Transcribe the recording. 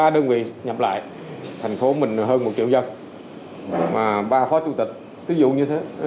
ba đơn vị nhập lại thành phố mình hơn một triệu dân ba phó chủ tịch sử dụng như thế